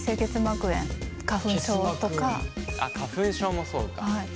例えばあっ花粉症もそうか。